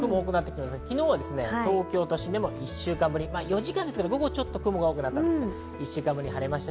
昨日は東京都心でも１週間ぶり、４時間ですが午後雲が多くなったんですが晴れました。